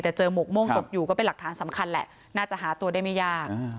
แต่เจอหมวกม่วงตกอยู่ก็เป็นหลักฐานสำคัญแหละน่าจะหาตัวได้ไม่ยาก